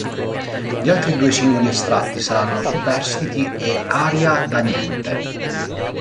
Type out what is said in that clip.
Gli altri due singoli estratti saranno "Superstiti" e "Aria da niente".